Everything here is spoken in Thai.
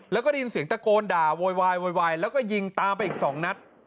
แล้วก็ได้ยินเสียงตะโกนด่าโวยวายโวยวายแล้วก็ยิงตามไปอีก๒นัด